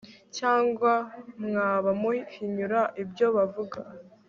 cyangwa mwaba muhinyura ibyo bavuga